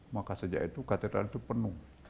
maka sejak itu katedral itu penuh